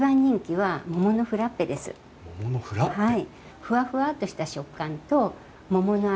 はい。